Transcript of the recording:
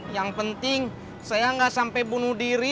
yang penting saya nggak sampai bunuh diri